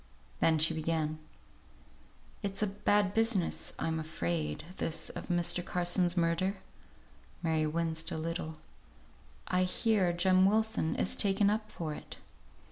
Then she began: "It's a bad business, I'm afraid, this of Mr. Carson's murder." Mary winced a little. "I hear Jem Wilson is taken up for it."